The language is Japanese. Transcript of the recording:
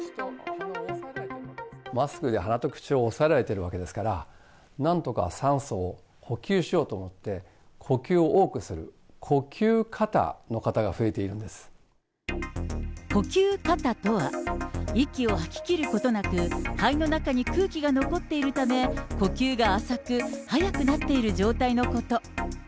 マスクで鼻と口を押さえられてるわけですから、なんとか酸素を補給しようと思って、呼吸を多くする、呼吸過多とは、息を吐ききることなく肺の中に空気が残っているため、呼吸が浅く、速くなっている状態のこと。